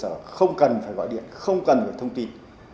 hệ thống y tế cơ sở không cần phải gọi điện không cần phải thông tin